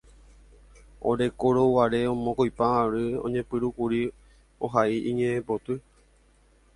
Orekórõguare mokõipa ary oñepyrũkuri ohai iñe'ẽpoty